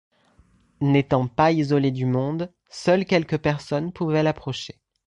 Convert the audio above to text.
N’étant pas isolée du monde, seules quelques personnes pouvaient l'approcher.